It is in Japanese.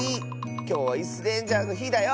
きょうは「イスレンジャー」のひだよ！